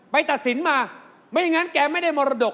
ตัดสินมาไม่อย่างนั้นแกไม่ได้มรดก